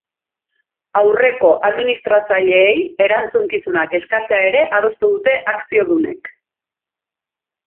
Aurreko administratzaileei erantzunkizunak eskatzea ere adostu dute akziodunek.